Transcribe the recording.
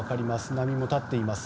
波も立っています。